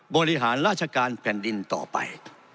บริหารราชการแผ่นดินต่อไป